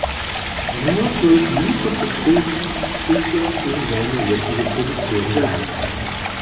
Nur durch Lug und Betrug ist er in seine jetzige Position gelangt.